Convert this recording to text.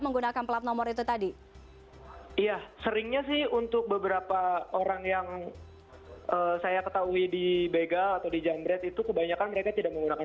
kenapa orang yang saya ketahui di bega atau di jambret itu kebanyakan mereka tidak menggunakan